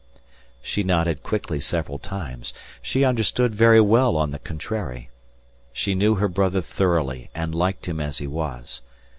She nodded quickly several times. She understood very well on the contrary. She knew her brother thoroughly and liked him as he was.